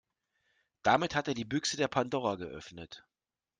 Damit hat er die Büchse der Pandora geöffnet.